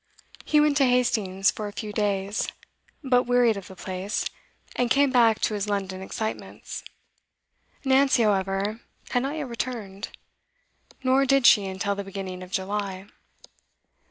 He went to Hastings for a few days, but wearied of the place, and came back to his London excitements. Nancy, however, had not yet returned; nor did she until the beginning of July.